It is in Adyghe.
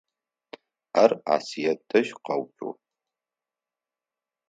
Ар Асыет дэжь къэуцугъ.